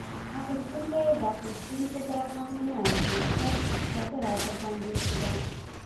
اخيستونکی: دا پوستین په زر افغانۍ نه ارزي؛ کس ډبره درباندې اېښې ده.